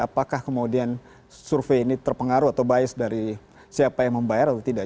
apakah kemudian survei ini terpengaruh atau bias dari siapa yang membayar atau tidak